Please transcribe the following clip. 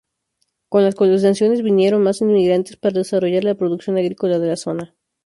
Con la colonizaciones vinieron más inmigrantes para desarrollar la producción agrícola de la zona.